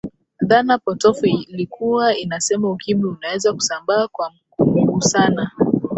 dhana potofu ilikuwa inasema ukimwi unaweza kusambaa kwa kumgusana